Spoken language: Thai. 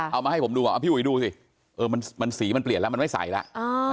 เอามาให้ผมดูพี่อุ๋ยดูสิมันสีมันเปลี่ยนแล้วมันไม่ใสแล้ว